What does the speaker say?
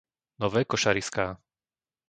Nové Košariská